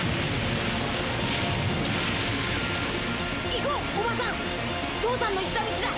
行こうおばさん父さんの行った道だ。